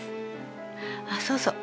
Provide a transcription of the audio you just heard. あっそうそう